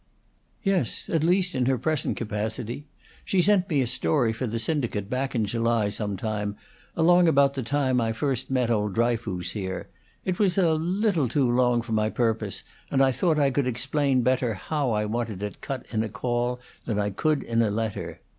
"Yes at least in her present capacity. She sent me a story for the syndicate, back in July some time, along about the time I first met old Dryfoos here. It was a little too long for my purpose, and I thought I could explain better how I wanted it cut in a call than I could in a letter.